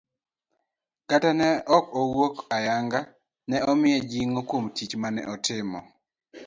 kata ne ok owuok ayanga, ne omiye jing'o kuom tich mane otimo.